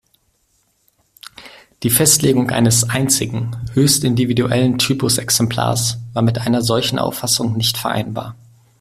Die Festlegung eines einzigen, höchst individuellen Typusexemplars war mit einer solchen Auffassung nicht vereinbar.